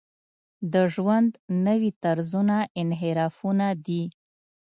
د ژوند نوي طرزونه انحرافونه دي.